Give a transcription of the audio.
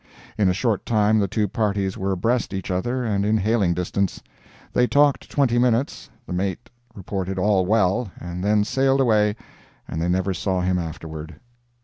In a short time the two parties were abreast each other and in hailing distance. They talked twenty minutes; the mate reported "all well" and then sailed away, and they never saw him afterward.